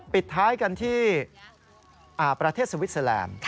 ปิดท้ายกันที่ประเทศสวิสเตอร์แลนด์